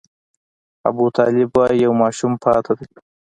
ابوطالب وايي یو ماشوم پاتې دی.